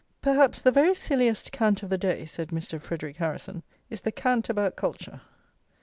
"Perhaps the very silliest cant of the day," said Mr. Frederic Harrison, "is the cant about culture.